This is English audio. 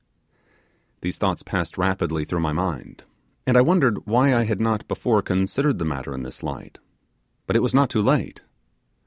These thoughts passed rapidly through my mind, and I wondered why I had not before considered the matter in this light. But it was not too late.